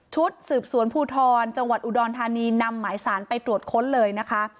ชุดสืบสวนภูทรจังหวัดอุดรธานีนำหมายสารไปตรวจค้นเลยนะคะ